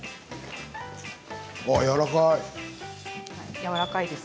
やわらかいです。